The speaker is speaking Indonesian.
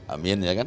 amin ya kan